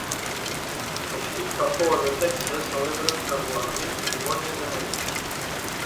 Els kickapoo de Texas celebren regularment cerimònies a Mèxic.